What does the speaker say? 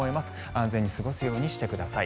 安全に過ごすようにしてください。